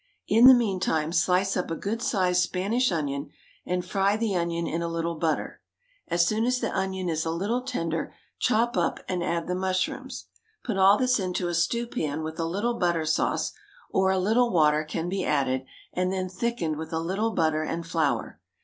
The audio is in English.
In the meantime slice up a good sized Spanish onion, and fry the onion in a little butter. As soon as the onion is a little tender, chop up and add the mushrooms. Put all this into a stew pan with a little butter sauce, or a little water can be added and then thickened with a little butter and flour.